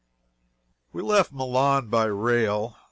We left Milan by rail.